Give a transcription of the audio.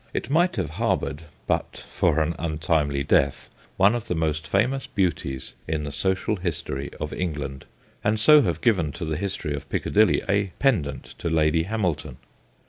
It might have harboured, but for an untimely death, one of the most famous beauties in the social history of England, and so have given to the history of Piccadilly a pendant to Lady Hamilton.